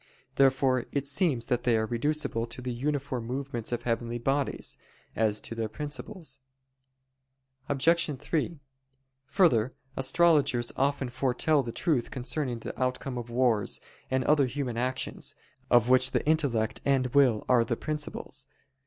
Therefore it seems that they are reducible to the uniform movements of heavenly bodies, as to their principles. Obj. 3: Further, astrologers often foretell the truth concerning the outcome of wars, and other human actions, of which the intellect and will are the principles.